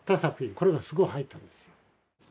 これがすごく入ったんですよ。